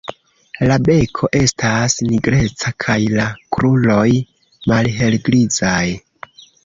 La beko estas nigreca kaj la kruroj malhelgrizaj.